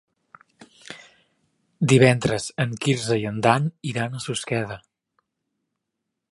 Divendres en Quirze i en Dan iran a Susqueda.